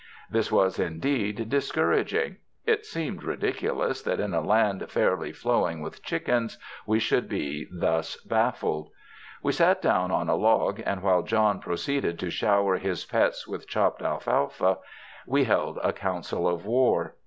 This was indeed discouraging. It seemed ridicu lous that in a land fairly flowing with chickens, we should be thus baffled. We sat down on a log and while John proceeded to shower his pets with chopped alfalfa, we held a council of war.